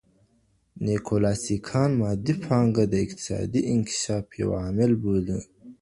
نیوکلاسیکان مادي پانګه د اقتصادي انکشاف یو عامل بولي.